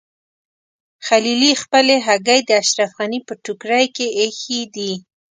خلیلي خپلې هګۍ د اشرف غني په ټوکرۍ کې ایښي دي.